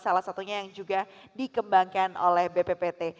salah satunya yang juga dikembangkan oleh bppt